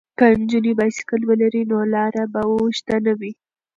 که نجونې بایسکل ولري نو لاره به اوږده نه وي.